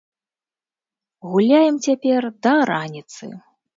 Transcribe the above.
Гуляем цяпер да раніцы!